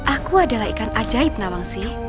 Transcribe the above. aku adalah ikan ajaib nawang sih